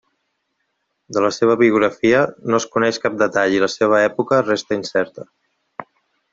De la seva biografia no es coneix cap detall i la seva època resta incerta.